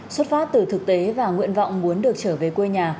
xuất phát từ thực tế và nguyện vọng muốn được trở về quê nhà